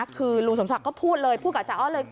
คือลุงสมศักดิ์ก็พูดเลยพูดกับอาจารย์ออสเลย